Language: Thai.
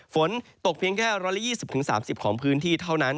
ฝนตกเพียงแค่๑๒๐๓๐ของพื้นที่เท่านั้น